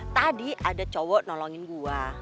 tadi ada cowok nolongin gue